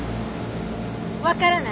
分からない？